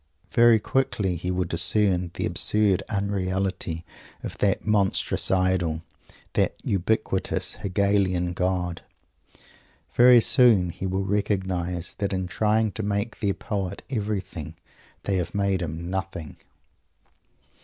Very quickly he will discern the absurd unreality of that monstrous Idol, that ubiquitous Hegelian God. Very soon he will recognize that in trying to make their poet everything they have made him nothing.